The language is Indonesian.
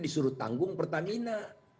disuruh tanggung pertamina